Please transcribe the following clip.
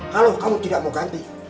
kalau kamu tidak mau ganti